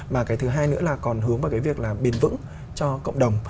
mà cái thứ hai nữa là còn hướng vào cái việc là bền vững cho cộng đồng